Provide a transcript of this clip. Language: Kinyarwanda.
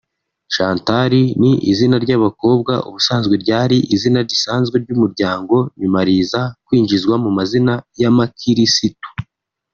Chantal ni izina ry’abakobwa ubusanzwe ryari izina risanzwe ry’umuryango nyuma riza kwinjizwa mu mazina y’amakirisitu